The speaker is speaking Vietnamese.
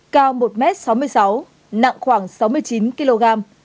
cao một m sáu mươi sáu nặng khoảng sáu mươi chín kg